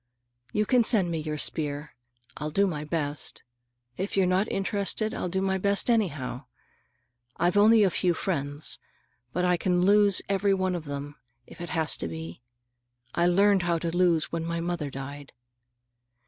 You can send me your spear. I'll do my best. If you're not interested, I'll do my best anyhow. I've only a few friends, but I can lose every one of them, if it has to be. I learned how to lose when my mother died.